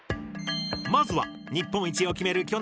まずは日本一を決める